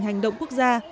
hành động quốc gia